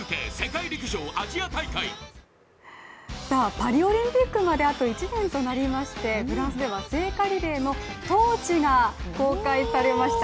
パリオリンピックまであと１年となりまして、フランスでは聖火リレーのトーチが公開されました。